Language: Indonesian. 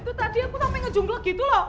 itu tadi aku sampai ngejumlah gitu loh